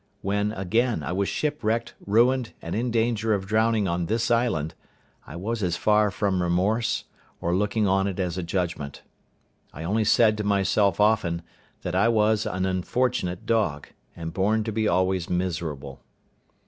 When, again, I was shipwrecked, ruined, and in danger of drowning on this island, I was as far from remorse, or looking on it as a judgment. I only said to myself often, that I was an unfortunate dog, and born to be always miserable.